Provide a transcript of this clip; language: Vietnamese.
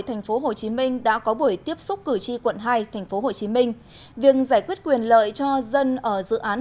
tp hcm đã có buổi tiếp xúc cử tri quận hai tp hcm việc giải quyết quyền lợi cho dân ở dự án